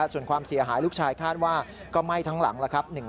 ส่วนความเสียหายลูกชายคาดว่าก็ไหม้ทั้งหลังแล้วครับ